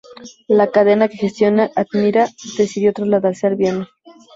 La cadena que gestiona Admira decidió trasladarla al viernes.